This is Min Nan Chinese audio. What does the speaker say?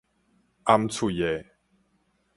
掩喙的